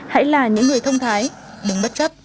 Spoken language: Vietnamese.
hãy là những người thông thái đứng bất chấp